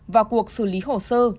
vào cuộc xử lý hồ sơ